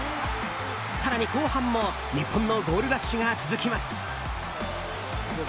更に後半も日本のゴールラッシュが続きます。